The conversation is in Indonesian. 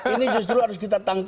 ini justru harus kita tangkap